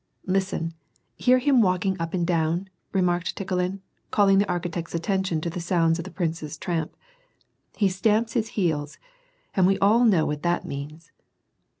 " Listen ! Hear him walking up and down," remarked Tik hon, calling the architect's attention to the sounds of the l)riiKe's tramp. " He stamps his heels, and we all know what that means."